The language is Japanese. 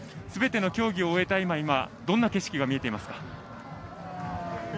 すべての競技を終えてどんな景色が見えていますか？